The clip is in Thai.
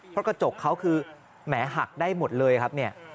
เพราะกระจกเขาคือแหมหักได้หมดเลยครับเนี่ย